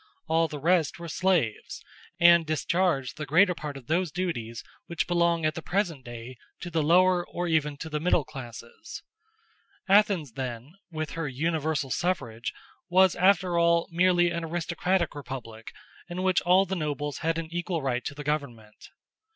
All the rest were slaves, and discharged the greater part of those duties which belong at the present day to the lower or even to the middle classes. Athens, then, with her universal suffrage, was after all merely an aristocratic republic in which all the nobles had an equal right to the government.